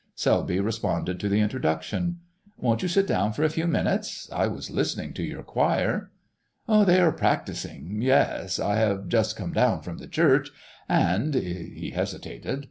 Selby responded to the introduction. "Won't you sit down for a few minutes? I was listening to your choir——" "They are practising—yes: I have just come down from the church and," he hesitated.